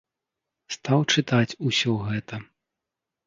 Стаў чытаць усё гэта.